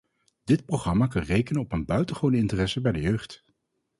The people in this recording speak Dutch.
Dit programma kan rekenen op een buitengewone interesse bij de jeugd.